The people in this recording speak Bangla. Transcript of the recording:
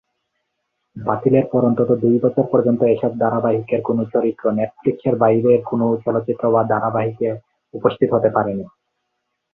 বাতিলের পর অন্তত দুই বছর পর্যন্ত এসব ধারাবাহিকের কোন চরিত্র নেটফ্লিক্সের বাইরের কোন চলচ্চিত্র বা ধারাবাহিকে উপস্থিত হতে পারেনি।